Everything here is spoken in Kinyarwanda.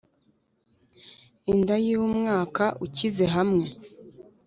inda yumwaka ukize hamwe